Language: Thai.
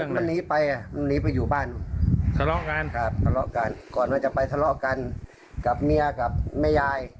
มันมันเป็นคนที่อันนี้เมียมัน